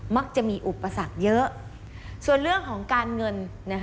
มักจะมีอุปสรรคเยอะส่วนเรื่องของการเงิน